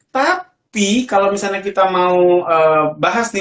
tapi kalau misalnya kita mau bahas nih